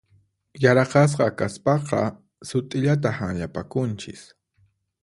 Yaraqasqa kaspaqa sut'illata hanllapakunchis.